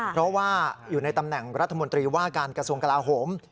เพราะว่าอยู่ในตำแหน่งรัฐมนตรีว่าการกระทรวงกลาโหม